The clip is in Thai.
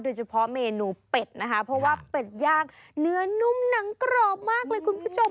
โดยเฉพาะเมนูเป็ดนะคะเพราะว่าเป็ดย่างเนื้อนุ่มหนังกรอบมากเลยคุณผู้ชม